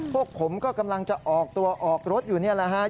พวกผมก็กำลังจะออกตัวออกรถอยู่นี่แหละฮะ